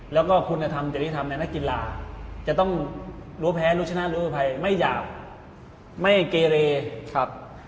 และคุณธรรมจริฐรมนักกีฬาจะต้องรวเพ้รวชนะรวมผลภัยไม่หยาบไม่เกรร์